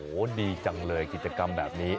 โอ้โหดีจังเลยกิจกรรมแบบนี้